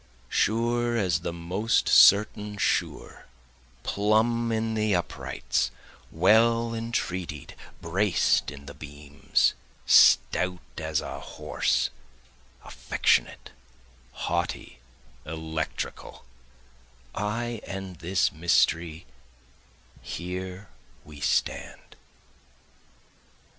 Sure as the most certain sure, plumb in the uprights, well entretied, braced in the beams, Stout as a horse, affectionate, haughty, electrical, I and this mystery here we stand.